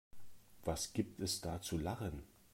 Was gibt es da zu lachen?